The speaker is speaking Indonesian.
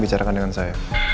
bicarakan dengan saya